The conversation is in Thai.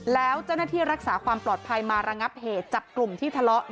แล้วเจ้าหน้าที่รักษาความปลอดภัยมาระงับเหตุจับกลุ่มที่ทะเลาะ